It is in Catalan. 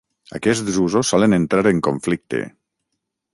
Aquests usos solen entrar en conflicte.